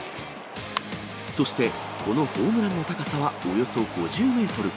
そしてこのホームランの高さはおよそ５０メートル。